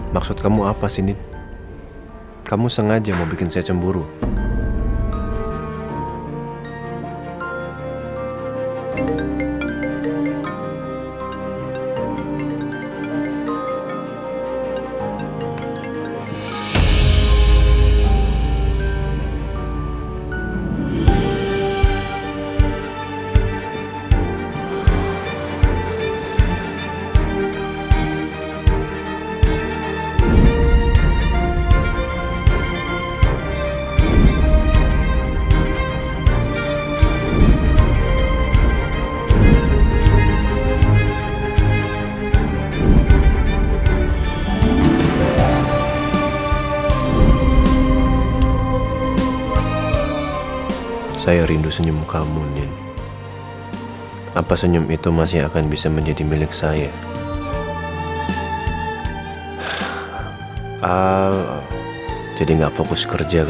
jadi kalau saja dia lebih tentu menjadi istina olarak